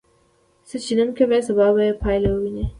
څه چې نن کوې، سبا به یې پایله ووینې.